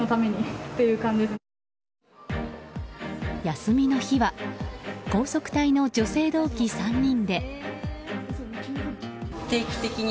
休みの日は高速隊の女性同期３人で。